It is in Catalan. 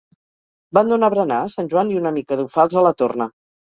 Van donar berenar a sant Joan i una mica d'ofals a la torna